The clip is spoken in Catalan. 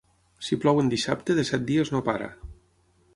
Si plou en dissabte, de set dies no para.